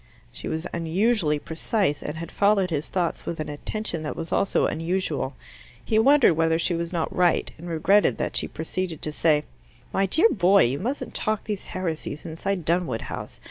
She was unusually precise, and had followed his thoughts with an attention that was also unusual. He wondered whether she was not right, and regretted that she proceeded to say, "My dear boy, you mustn't talk these heresies inside Dunwood House!